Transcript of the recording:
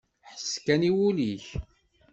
Ḥess kan i wul-ik!